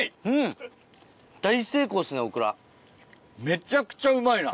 めちゃくちゃうまいな。